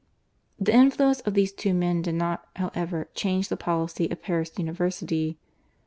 The influence of these two men did not, however, change the policy of Paris University.